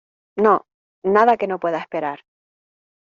no, nada que no pueda esperar.